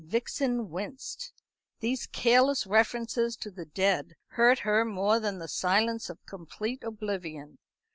Vixen winced. These careless references to the dead hurt her more than the silence of complete oblivion.